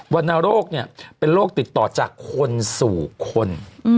วันนาโรคนี่เป็นโรคติดต่อจากคนสู่คน